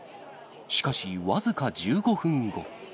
しかし僅か１５分後。